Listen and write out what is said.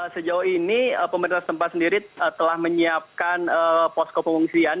sejauh ini pemerintah tempat sendiri telah menyiapkan posko pengungsian